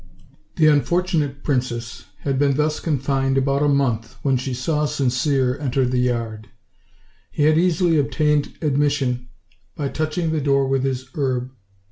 The unfortunate princess had been thus confined about a month, when she saw Sincere enter the yard: he had easily obtained admission by touching the door with his herb.